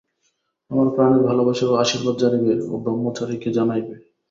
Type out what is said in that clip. আমার প্রাণের ভালবাসা ও আশীর্বাদ জানিবে ও ব্রহ্মচারীকে জানাইবে।